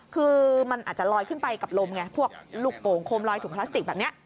คือมันอาจจะลอยขึ้นไปกับลมไงพวกลูกโป่งโคมลอยถุงพลาสติกแบบนี้